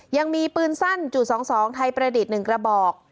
ยังมีปืนสั้น๒๒ไทยประดิษฐ์๑กระบอก